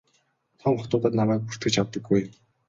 Том хотуудад намайг бүртгэж авдаггүй юм.